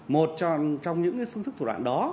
một trong những phương thức thủ đoạn đó